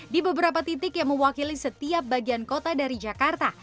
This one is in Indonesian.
di beberapa titik yang mewakili setiap bagian kota dari jakarta